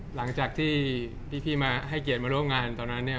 หลังจากที่พี่มาให้เกียรติมาร่วมงานตอนนั้นเนี่ย